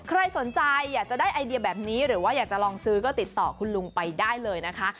ใครสนใจอยากจะได้ไอเดียแบบนี้หรือว่าอยากจะลองซื้อก็ติดต่อคุณลุงไปได้เลยนะคะ